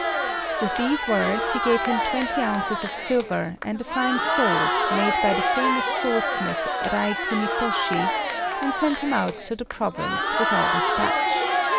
With these words he gave him twenty ounces of silver and a fine sword, made by the famous swordsmith Rai Kunitoshi, and sent him out of the province with all dispatch.